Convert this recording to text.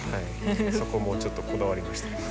そこもちょっとこだわりました。